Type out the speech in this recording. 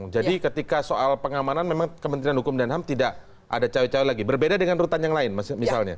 jadi ketika soal pengamanan memang kementerian hukum dan ham tidak ada cowok cowok lagi berbeda dengan rutan yang lain misalnya